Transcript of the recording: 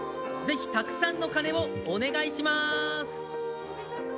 ぜひたくさんの鐘をお願いします。